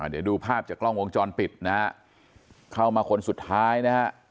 เดี๋ยวดูภาพจากกล้องวงจรปิดนะฮะเข้ามาคนสุดท้ายนะฮะ